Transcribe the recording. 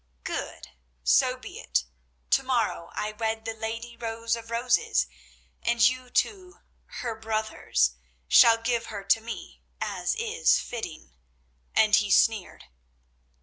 "Good. So be it. To morrow I wed the lady Rose of Roses, and you two—her brothers—shall give her to me, as is fitting," and he sneered.